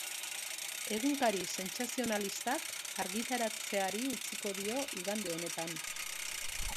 Egunkari sentsazionalistak argitaratzeari utziko dio igande honetan.